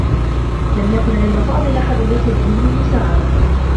لم يكن عند فاضل أحد يطلب منه المساعدة.